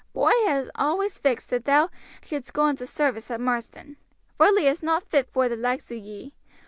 But oi ha' always fixed that thou shouldst go into service at Marsden Varley is not fit vor the likes o' ye.